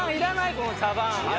この茶番。